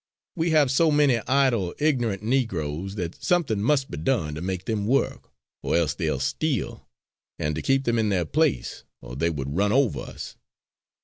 We have so many idle, ignorant Negroes that something must be done to make them work, or else they'll steal, and to keep them in their place, or they would run over us.